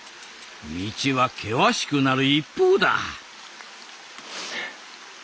道は険しくなる一方だ。